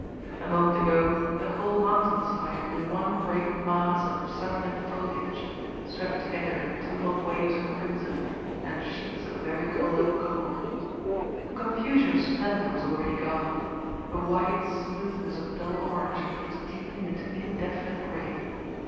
A moment ago the whole mountain side had been one great mass of sunlit foliage, swept together in tumbled waves of crimson, and sheets of vari coloured gold. The confusion of splendour was already gone; a wide smoothness of dull orange was deepening into indefinite gray.